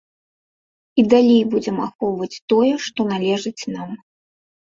І далей будзем ахоўваць тое, што належыць нам.